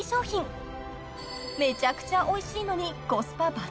［めちゃくちゃおいしいのにコスパ抜群］